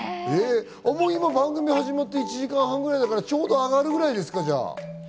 今１時間半ぐらいだから、ちょうど上がるくらいですか？